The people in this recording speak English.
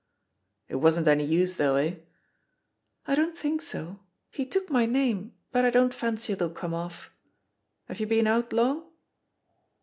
"It wasn't any use though, eh?" "I don't think so — ^he took my name, but I don't fancy it'll come off. Have you been out long?"